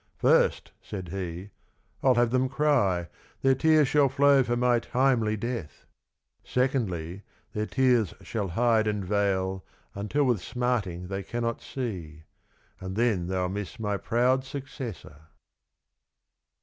" First," said he " I'll have them cry; their tears shall flow for my timely death : secondly, their tears shall hide and veil until with smarting they cannot see : and then they'll miss my proud successor."